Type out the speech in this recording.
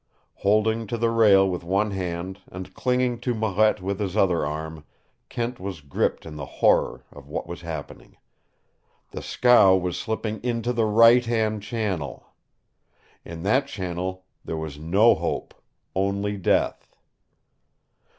Holding to the rail with one hand and clinging to Marette with his other arm, Kent was gripped in the horror of what was happening. The scow was slipping INTO THE RIGHT HAND CHANNEL! In that channel there was no hope only death.